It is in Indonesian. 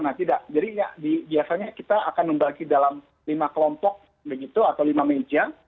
nah tidak jadi biasanya kita akan membagi dalam lima kelompok begitu atau lima meja